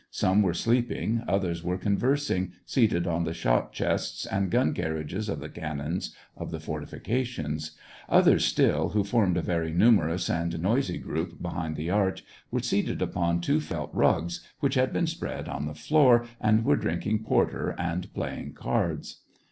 Some were sleeping, others were conversing, seated on the shot chests and gun carriages of the cannons of the fortifications ; others still, who formed a very numerous and noisy group behind the arch, were seated upon two felt rugs, which had been spread on the floor, and were drinking porter and playing cards.